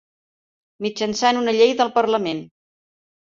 Mitjançant una Llei del Parlament.